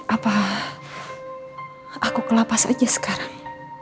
apa aku kelapas aja sekarang